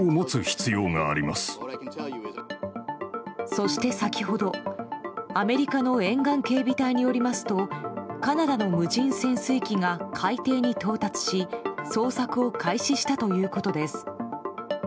そして先ほど、アメリカの沿岸警備隊によりますとカナダの無人潜水機が海底に到達し捜索を開始したということです。